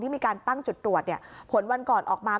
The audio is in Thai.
มีการตั้งจุดตรวจผลวันก่อนออกมา